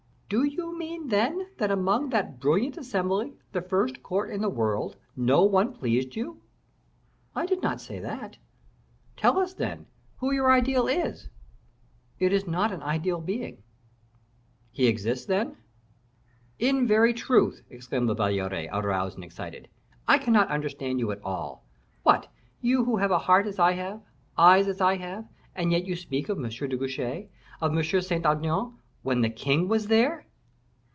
"Do you mean, then, that among that brilliant assembly, the first court in the world, no one pleased you?" "I do not say that." "Tell us, then, who your ideal is?" "It is not an ideal being." "He exists, then?" "In very truth," exclaimed La Valliere, aroused and excited; "I cannot understand you at all. What! you who have a heart as I have, eyes as I have, and yet you speak of M. de Guiche, of M. de Saint Aignan, when the king was there."